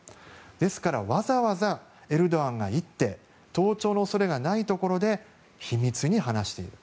ですからわざわざエルドアンが行って盗聴の恐れがないところで秘密に話している。